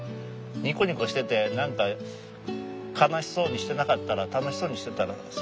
ニコニコしてて何か悲しそうにしてなかったら楽しそうにしてたらそれでいいんよね。